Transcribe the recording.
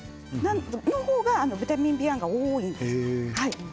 その方がビタミンＢ１が多いんです。